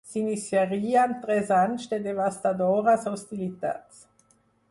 S'iniciarien tres anys de devastadores hostilitats.